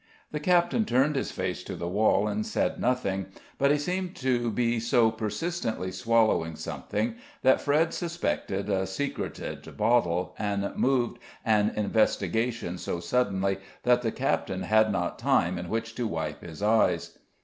The captain turned his face to the wall and said nothing; but he seemed to be so persistently swallowing something that Fred suspected a secreted bottle, and moved an investigation so suddenly that the captain had not time in which to wipe his eyes.